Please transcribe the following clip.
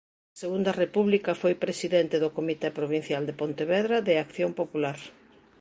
Na Segunda República foi presidente do Comité Provincial de Pontevedra de Acción Popular.